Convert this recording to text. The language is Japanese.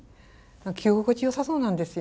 着心地よさそうなんですよ。